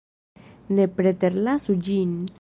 Ne preterlasu ĝin.